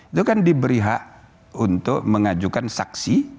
itu kan diberi hak untuk mengajukan saksi